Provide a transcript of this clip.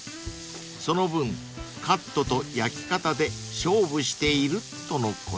［その分カットと焼き方で勝負しているとのこと］